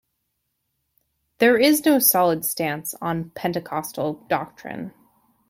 There is no solid stance on Pentecostal doctrine.